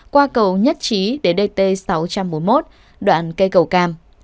qua cầu nhất trí đến dt sáu trăm bốn mươi một đoạn cây cầu cam